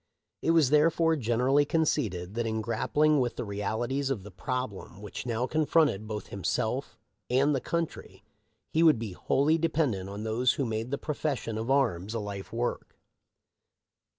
It was therefore generally conceded that in grappling with the realities of the problem which now confronted both himself and the country he would be wholly dependent on those who had made the profession of arms a life work.